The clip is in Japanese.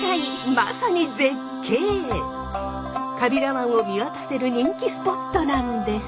まさに川平湾を見渡せる人気スポットなんです。